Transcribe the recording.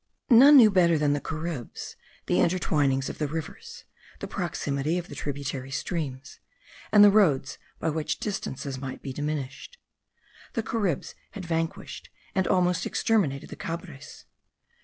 None knew better than the Caribs the intertwinings of the rivers, the proximity of the tributary streams, and the roads by which distances might be diminished. The Caribs had vanquished and almost exterminated the Cabres.